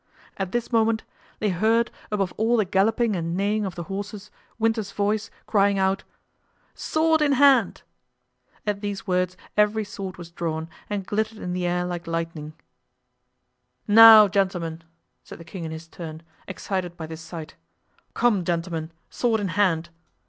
At this moment they heard above all the galloping and neighing of the horses Winter's voice crying out: "Sword in hand!" At these words every sword was drawn, and glittered in the air like lightning. "Now, gentlemen," said the king in his turn, excited by this sight, "come, gentlemen, sword in hand!"